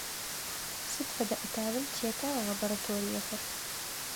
Сыд фэдэ этажым тета лабораториехэр?